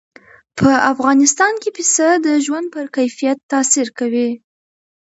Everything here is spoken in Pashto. په افغانستان کې پسه د ژوند په کیفیت تاثیر کوي.